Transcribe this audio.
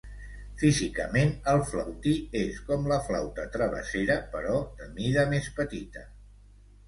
Físicament, el flautí és com la flauta travessera però de mida més petita.